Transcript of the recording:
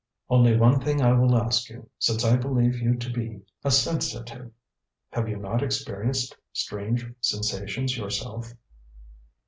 "Only one thing I will ask you, since I believe you to be a sensitive. Have you not experienced strange sensations yourself?"